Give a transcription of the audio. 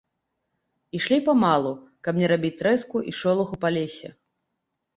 Ішлі памалу, каб не рабіць трэску і шолаху па лесе.